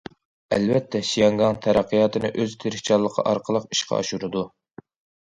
ئەلۋەتتە شياڭگاڭ تەرەققىياتىنى ئۆز تىرىشچانلىقى ئارقىلىق ئىشقا ئاشۇرىدۇ.